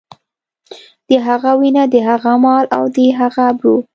د هغه وينه، د هغه مال او د هغه ابرو.